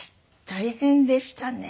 大変でしたね。